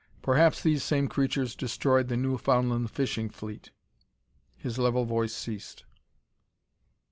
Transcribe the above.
Perhaps these same creatures destroyed the Newfoundland fishing fleet." His level voice ceased.